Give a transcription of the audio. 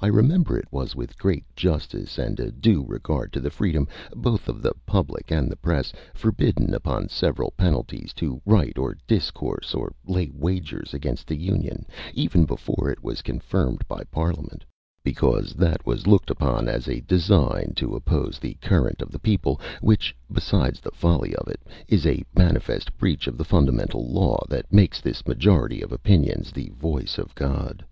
I remember it was with great justice, and a due regard to the freedom, both of the public and the press, forbidden upon several penalties to write, or discourse, or lay wagers against the even before it was confirmed by Parliament; because that was looked upon as a design to oppose the current of the people, which, besides the folly of it, is a manifest breach of the fundamental law, that makes this majority of opinions the voice of God.